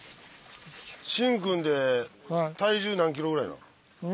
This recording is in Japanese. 愼くんって体重何キロぐらいなの？